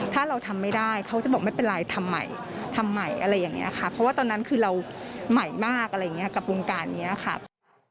ถ้าเราทำไม่ได้เขาจะบอกไม่เป็นไรทำใหม่ทำใหม่อะไรอย่างนี้ค่ะเพราะว่าตอนนั้นคือเราใหม่มากอะไรอย่างนี้กับวงการนี้ค่ะ